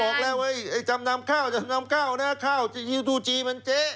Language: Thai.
ร้องบอกแล้วเว้ยจำนำข้าวจำนำข้าวนะฮะข้าวที่ดูจีมันเจ๊